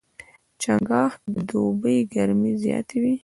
چنګاښ کې د دوبي ګرمۍ زیاتې وي.